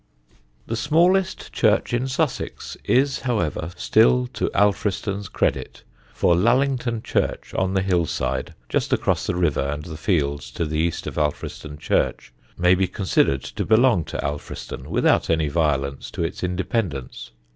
The smallest church in Sussex is however still to Alfriston's credit, for Lullington church, on the hill side, just across the river and the fields to the east of Alfriston church, may be considered to belong to Alfriston without any violence to its independence.